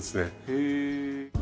へえ。